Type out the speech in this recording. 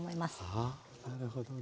ああなるほどね。